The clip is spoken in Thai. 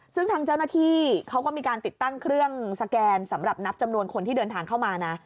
ซึ่งทางเจ้าหน้าที่เขาก็มีการติดตั้งเครื่องสแกนสำหรับนับจำนวนคนที่เดินทางเข้ามานะ